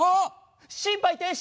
心肺停止！